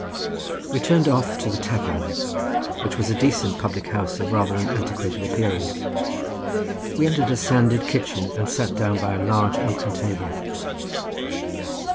We turned off to the "tafarn," which was a decent public house of rather an antiquated appearance. We entered a sanded kitchen, and sat down by a large oaken table.